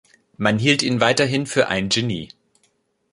Man hielt ihn weithin für ein Genie.